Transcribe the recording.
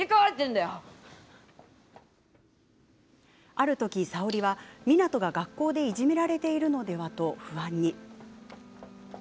ある時、早織は、湊が学校でいじめられているのではと不安に。